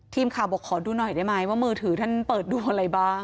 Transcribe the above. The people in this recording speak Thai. บอกขอดูหน่อยได้ไหมว่ามือถือท่านเปิดดูอะไรบ้าง